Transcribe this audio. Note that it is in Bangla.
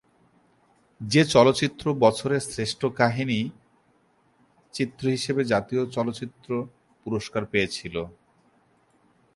যে চলচ্চিত্র বছরের শ্রেষ্ঠ কাহিনি চিত্র হিসেবে জাতীয় চলচ্চিত্র পুরস্কার পেয়েছিল।